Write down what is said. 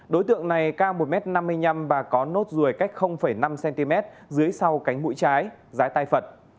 đối tượng này cao một m năm mươi năm và có nốt ruồi cách năm cm dưới sau cánh mũi trái rái tay phật